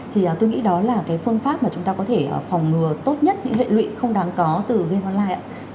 thì tôi nghĩ đó là cái phương pháp mà chúng ta có thể phòng ngừa tốt nhất những hệ lụy không đáng có từ game online